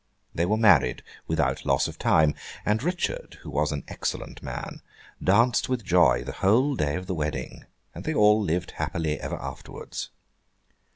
They were married without loss of time, and Richard (who was an excellent man) danced with joy the whole day of the wedding; and they all lived happy ever afterwards.